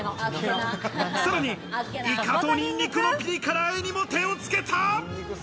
さらに、イカとニンニクのピリ辛あえにも手をつけた。